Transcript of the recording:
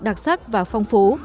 đặc sắc và phong phú